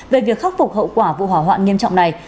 về việc khắc phục hậu quả vụ hỏa hoạn nghiêm trọng này